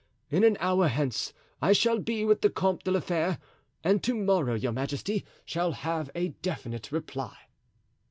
In an hour hence I shall be with the Comte de la Fere, and to morrow your majesty shall have a definite reply."